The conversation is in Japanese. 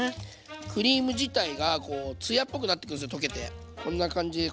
クリーム自体がこうつやっぽくなってくるんですよ溶けて。